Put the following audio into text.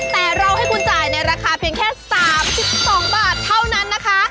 แต่เราให้คุณจ่ายในราคาเพียงแค่๓๒บาทเท่านั้นนะคะ